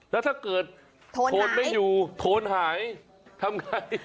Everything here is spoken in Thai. แล้วถ้าเกิดโทนไม่อยู่โทนหายทำไง